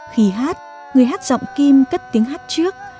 khi hát người hát giọng kim cất tiếng hát trước